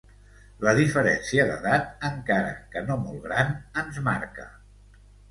La diferència d'edat, encara que no molt gran, ens marca...